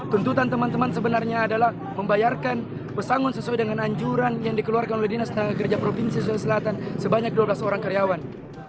tuntutan teman teman sebenarnya adalah membayarkan pesangon sesuai dengan anjuran yang dikeluarkan oleh dinas tenaga kerja provinsi sulawesi selatan sebanyak dua belas orang karyawan